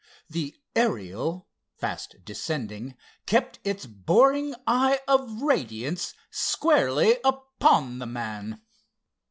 The Ariel, fast descending, kept its boring eye of radiance squarely upon the man.